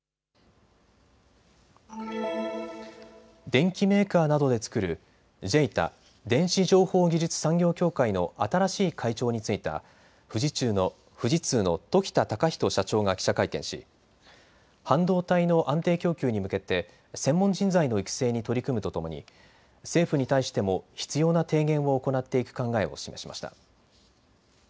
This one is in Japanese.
電機メーカーなどで作るＪＥＩＴＡ・電子情報技術産業協会の新しい会長に就いた富士通の時田隆仁社長が記者会見し半導体の安定供給に向けて専門人材の育成に取り組むとともに政府に対しても必要な提言を行っていく考えを示しました。